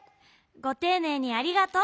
ごていねいにありがとう。